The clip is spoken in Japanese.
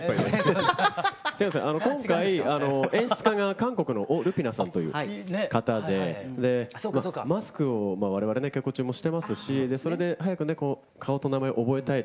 今回演出家が韓国のオ・ルピナさんという方でマスクを我々ね稽古中もしてますしそれで早くね顔と名前を覚えたいということで。